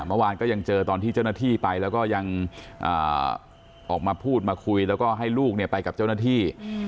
เมื่อวานก็ยังเจอตอนที่เจ้าหน้าที่ไปแล้วก็ยังออกมาพูดมาคุยแล้วก็ให้ลูกไปกับเจ้าหน้าที่